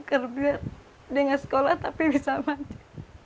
kerjanya dengan sekolah tapi bisa maju